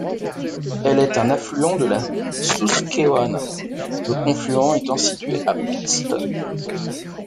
Elle est un affluent de la Susquehanna, le confluent étant situé à Pittston.